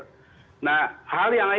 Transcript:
nah hal yang lain yang harus diinginkan ya